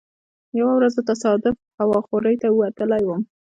یوه ورځ زه تصادفا هوا خورۍ ته وتلی وم.